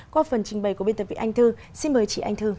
qua phần trình bày của biên tập vị anh thư xin mời chị anh thư